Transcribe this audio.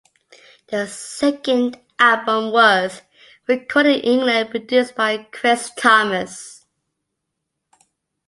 Their second album was recorded in England, produced by Chris Thomas.